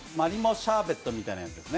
シャーベットみたいなやつですね。